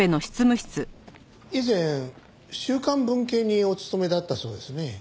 以前週刊文啓にお勤めだったそうですね。